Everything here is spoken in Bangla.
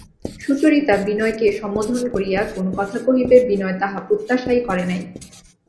সুচরিতা বিনয়কে সম্বোধন করিয়া কোনো কথা কহিবে বিনয় তাহা প্রত্যাশাই করে নাই।